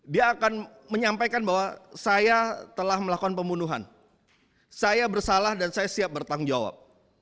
dia akan menyampaikan bahwa saya telah melakukan pembunuhan saya bersalah dan saya siap bertanggung jawab